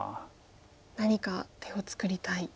何か手を作りたい。